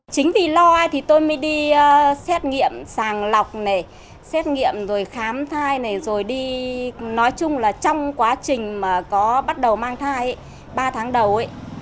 chính vì lo thì tôi mới đi xét nghiệm sàng lọc này xét nghiệm rồi khám thai này rồi đi nói chung là trong quá trình mà có bắt đầu mang thai ba tháng đầu ấy